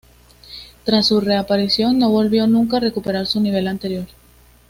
Tras su reaparición no volvió nunca a recuperar su nivel anterior.